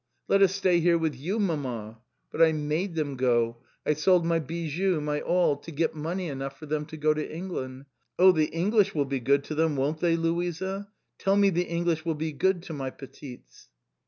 'Let us stay here with you, Mama.' But I made them go. I sold my bijoux, my all, to get money enough for them to go to England. Oh, the English will be good to them, won't they, Louisa? Tell me the English will be good to my petites."